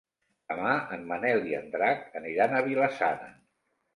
Demà en Manel i en Drac aniran a Vila-sana.